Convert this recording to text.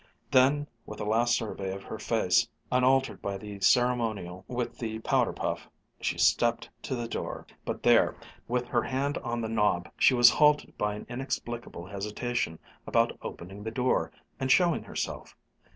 Then with a last survey of her face, unaltered by the ceremonial with the powder puff, she stepped to the door. But there, with her hand on the knob, she was halted by an inexplicable hesitation about opening the door and showing herself.